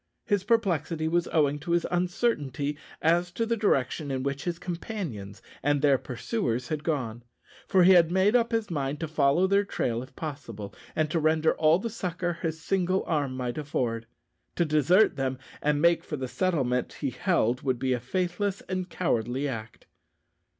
His perplexity was owing to his uncertainty as to the direction in which his companions and their pursuers had gone; for he had made up his mind to follow their trail if possible, and render all the succour his single arm might afford. To desert them, and make for the settlement, he held, would be a faithless and cowardly act.